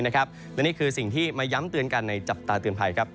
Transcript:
และนี่คือสิ่งที่มาย้ำเตือนกันในจับตาเตือนภัยครับ